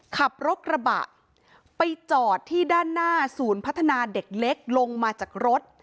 ขับรถกระบะไปจอดที่ด้านหน้าศูนย์พัฒนาเด็กเล็กลงมาจากรถ